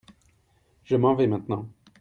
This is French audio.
Je m'en vais maintenant.